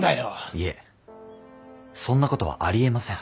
いえそんなことはありえません。